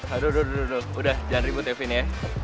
aduh udah udah udah udah udah jangan ribut ya vin ya